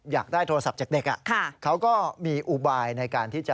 อยากได้โทรศัพท์จากเด็กเขาก็มีอุบายในการที่จะ